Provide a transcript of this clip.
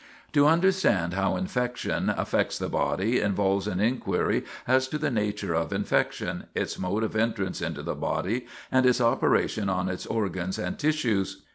To understand how infection affects the body involves an inquiry as to the nature of infection, its mode of entrance into the body, and its operation on its organs and tissues.